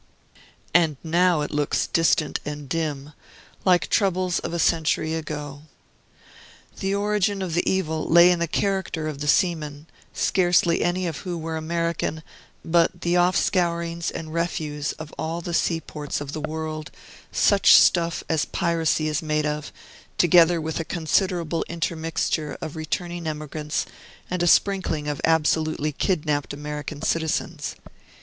And now it looks distant and dim, like troubles of a century ago. The origin of the evil lay in the character of the seamen, scarcely any of whom were American, but the offscourings and refuse of all the seaports of the world, such stuff as piracy is made of, together with a considerable intermixture of returning emigrants, and a sprinkling of absolutely kidnapped American citizens.